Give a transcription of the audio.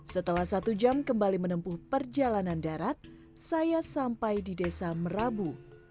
setelah satu jam kembali menempuh perjalanan darat saya sampai di desa merabu